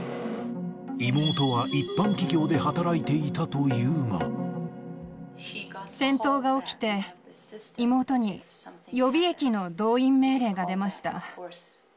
妹は一般企業で働いていたと戦闘が起きて、妹に予備役の動員命令が出ました。